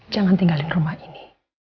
jangan tinggalin rumah ini